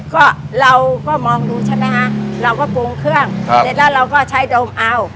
ก็เราก็มองดูใช่ไหมคะเราก็ปรุงเครื่องครับเสร็จแล้วเราก็ใช้ดมเอา